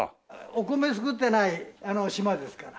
お米作ってない島ですから。